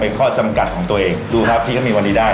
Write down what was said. ข้อจำกัดของตัวเองดูครับพี่ก็มีวันนี้ได้